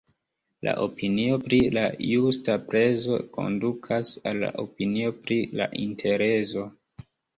La opinio pri la justa prezo kondukas al la opinio pri la interezo.